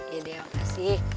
ya deh makasih